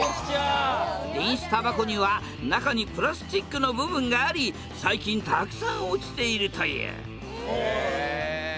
電子たばこには中にプラスチックの部分があり最近たくさん落ちているというえ。